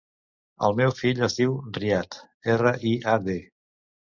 El meu fill es diu Riad: erra, i, a, de.